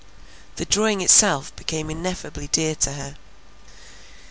The drawing itself became ineffably dear to her.